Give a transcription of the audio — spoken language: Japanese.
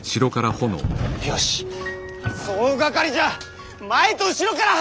よし総がかりじゃ前と後ろから挟め！